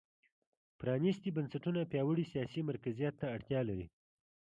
پرانېستي بنسټونه پیاوړي سیاسي مرکزیت ته اړتیا لري.